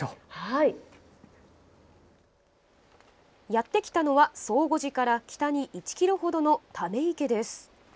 やってきたのは宗悟寺から北に１ｋｍほどの、ため池です。